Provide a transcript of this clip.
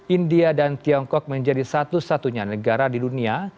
india dan tiongkok menjadi satu satunya negara di dunia